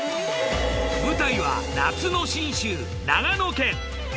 舞台は夏の信州長野県。